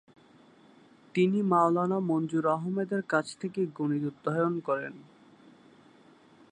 তিনি মাওলানা মনজুর আহমদের কাছ থেকে গণিত অধ্যয়ন করেন।